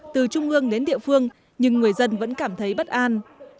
từ trung ương đến địa phương nhưng người dân vẫn cảm thấy bất an